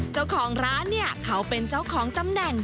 เจ้าของร้านเนี่ยเขาเป็นเจ้าของตำแหน่ง